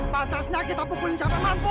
patasnya kita pukulin siapa mampu